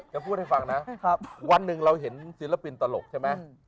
จะพูดให้ฟังนะวันหนึ่งเราเห็นศิลปินตลกใช่ไหม